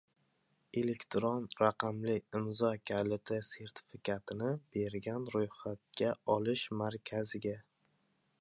elektron raqamli imzo kaliti sertifikatini bergan ro‘yxatga olish markaziga